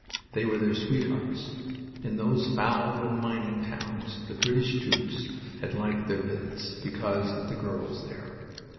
They were their sweethearts. In those foul little mining towns the British troops had liked their billets, because of the girls there.